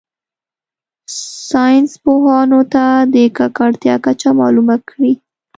ساینس پوهانو ته د ککړتیا کچه معلومه کړي.